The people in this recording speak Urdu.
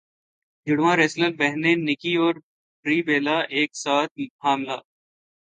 جڑواں ریسلر بہنیں نکی اور بری بیلا ایک ساتھ حاملہ